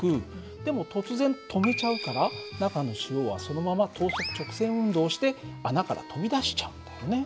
でも突然止めちゃうから中の塩はそのまま等速直線運動をして穴から飛び出しちゃうんだよね。